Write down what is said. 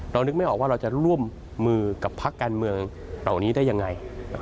นึกไม่ออกว่าเราจะร่วมมือกับพักการเมืองเหล่านี้ได้ยังไง